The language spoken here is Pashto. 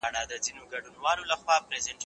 هغه وويل چي لاس مينځل مهم دي